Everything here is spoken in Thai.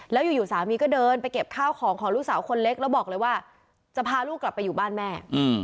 แล้วอยู่สามีก็เดินไปเก็บข้าวของของลูกสาวคนเล็กแล้วบอกเลยว่าจะพาลูกกลับไปอยู่บ้านแม่